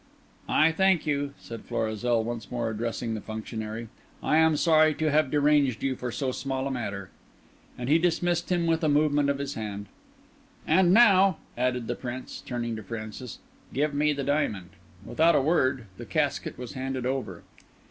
"I thank you," said Florizel, once more addressing the functionary; "I am sorry to have deranged you for so small a matter." And he dismissed him with a movement of his hand. "And now," added the Prince, turning to Francis, "give me the diamond." Without a word the casket was handed over.